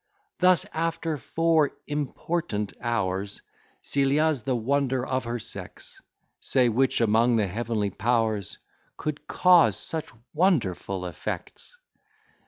Thus, after four important hours, Celia's the wonder of her sex; Say, which among the heavenly powers Could cause such wonderful effects?